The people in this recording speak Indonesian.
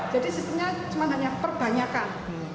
jadi sistemnya cuma hanya perbanyakan